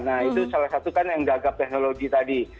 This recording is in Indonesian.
nah itu salah satu kan yang gagap teknologi tadi